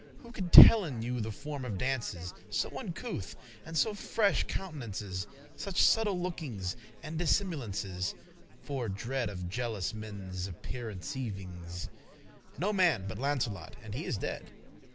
Who coulde telle you the form of dances So uncouth,* and so freshe countenances *unfamliar gestures Such subtle lookings and dissimulances, For dread of jealous men's apperceivings? No man but Launcelot,<22> and he is dead.